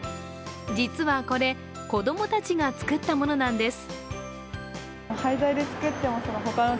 実はこれ、子供たちが作ったものなんです。